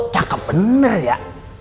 cakep bener ya